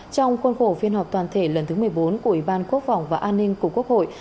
trong khuôn khổ phiên họp toàn thể lần thứ một mươi bốn của ủy ban quốc phòng và an ninh của quốc hội